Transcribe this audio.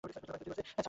ছাড়ো না আমাকে!